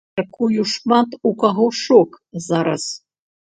Мяркую, шмат у каго шок зараз.